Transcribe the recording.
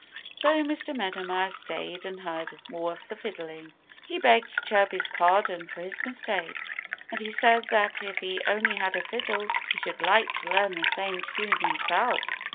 So Mr. Meadow Mouse stayed and heard more of the fiddling. He begged Chirpy's pardon for his mistake. And he said that if he only had a fiddle he should like to learn the same tune himself.